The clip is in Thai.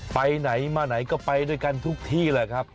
ไปไหนมาไหนก็ไปด้วยกันทุกที่แหละครับ